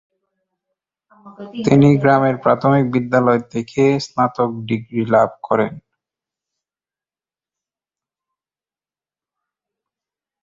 তিনি গ্রামের প্রাথমিক বিদ্যালয় থেকে স্নাতক ডিগ্রি লাভ করেন।